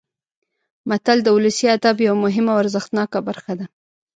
متل د ولسي ادب یوه مهمه او ارزښتناکه برخه ده